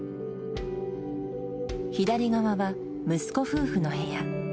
左側は息子夫婦の部屋。